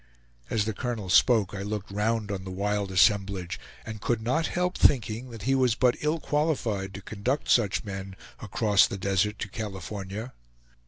As the colonel spoke, I looked round on the wild assemblage, and could not help thinking that he was but ill qualified to conduct such men across the desert to California.